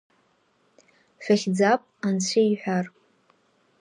Шәахьӡап, Анцәа иҳәар.